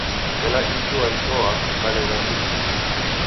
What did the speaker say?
Ela iji waitoa, ukalegha kuija.